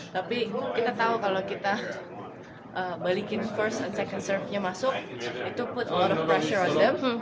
tapi kita tahu kalau kita balikin first dan second serve nya masuk itu put a lot of pressure on them